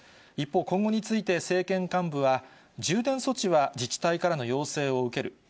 一方、今後について政権幹部は、重点措置は自治体からの要請を受ける。